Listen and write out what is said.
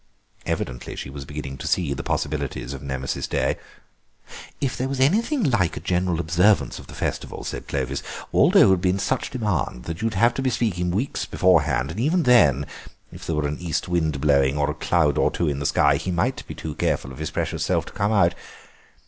Evidently she was beginning to see the possibilities of Nemesis Day. "If there was anything like a general observance of the festival," said Clovis, "Waldo would be in such demand that you would have to bespeak him weeks beforehand, and even then, if there were an east wind blowing or a cloud or two in the sky he might be too careful of his precious self to come out.